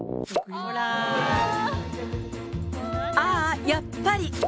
ああ、やっぱり。